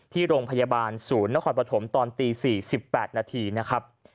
ที่โรงพยาบาลศูนย์นครปฐมตอนตี๔๘นาทีนะครับ